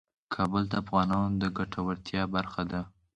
کابل د افغانانو د ګټورتیا برخه ده.